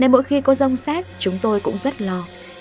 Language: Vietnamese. mỗi khi có rông xét chúng tôi cũng rất lo